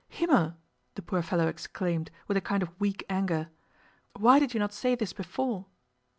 'Himmel!' the poor fellow exclaimed, with a kind of weak anger. 'Why did you not say this before?